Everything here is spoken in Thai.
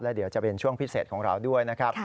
เดี๋ยวจะเป็นช่วงพิเศษของเราด้วยนะครับ